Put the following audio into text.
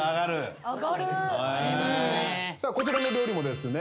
こちらの料理もですね